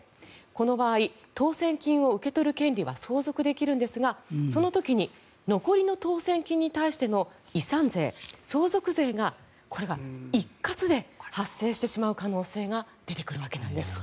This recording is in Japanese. この場合当選金を受け取る権利は相続できるんですがその時に残りの当選金に対しての遺産税相続税、これが一括で発生してしまう可能性が出てくるわけです。